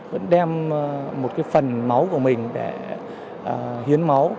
vẫn đem một cái phần máu của mình để hiến máu